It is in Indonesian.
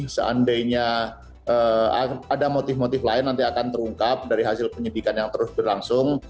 seandainya ada motif motif lain nanti akan terungkap dari hasil penyidikan yang terus berlangsung